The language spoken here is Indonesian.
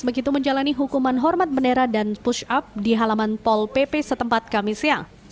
begitu menjalani hukuman hormat bendera dan push up di halaman pol pp setempat kami siang